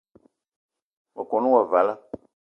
Me kon wo vala